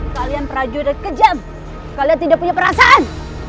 kalian prajurit kejam kalian tidak punya perasaan